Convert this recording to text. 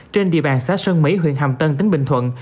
trên địa bàn xã sơn mỹ huyện hàm tân tỉnh bình thuận